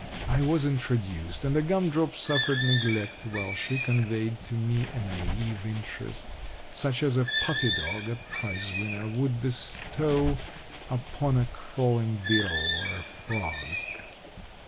I was introduced, and a gum drop suffered neglect while she conveyed to me a naïve interest, such as a puppy dog (a prize winner) might bestow upon a crawling beetle or a frog.